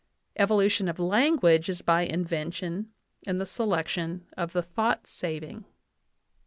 Evolution of language is by invention and the selection of the thought saving.